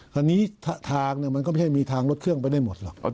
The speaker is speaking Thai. ทางนี้ทางมันก็ไม่ใช่มีทางรถเครื่องไปได้หมดหรอก